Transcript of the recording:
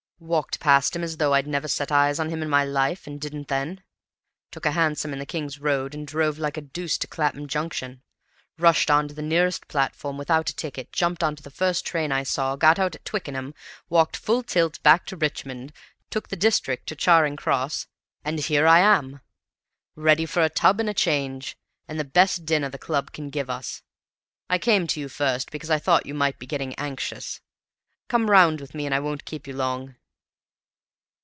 "Walked past him as though I had never set eyes on him in my life, and didn't then; took a hansom in the King's Road, and drove like the deuce to Clapham Junction; rushed on to the nearest platform, without a ticket, jumped into the first train I saw, got out at Twickenham, walked full tilt back to Richmond, took the District to Charing Cross, and here I am! Ready for a tub and a change, and the best dinner the club can give us. I came to you first, because I thought you might be getting anxious. Come round with me, and I won't keep you long."